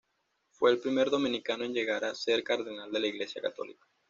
Fue el primer dominicano en llegar a ser cardenal de la Iglesia católica.